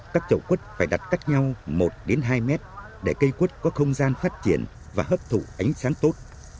các chậu quất phải đặt cắt nhau một hai mét để cây quất có không gian phát triển và hấp thụ ánh sáng tốt